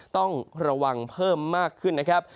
ต้องระวังเพิ่มมากขึ้นนะครับ